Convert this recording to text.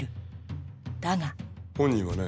だが本人はね